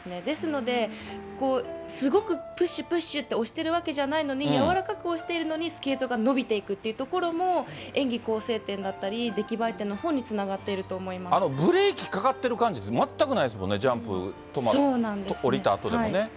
ですので、すごくプッシュ、プッシュって押してるわけじゃないのに、柔らかく押しているのにスケートが伸びていくっていうところも、演技構成点だったり、出来栄え点のほうにつながっていると思いまブレーキかかっている感じとか全くないもんね、ジャンプ降りたあとでもね。